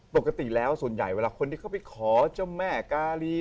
ปกติแล้วส่วนใหญ่เวลาคนที่เขาไปขอเจ้าแม่กาลี